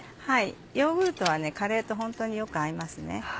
ヨーグルトはカレーとホントによく合いますね。